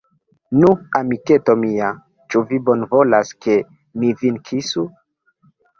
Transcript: Nu, amiketo mia, ĉu vi bonvolas, ke mi vin kisu?